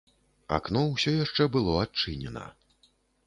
Акно ўсё яшчэ было адчынена.